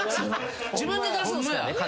自分で出すんすからね金。